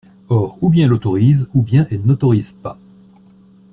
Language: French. Or ou bien elle autorise, ou bien elle n’autorise pas.